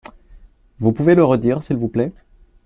Vous pouvez le redire s’il vous plait ?